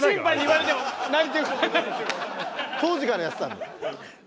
当時からやってたんだ。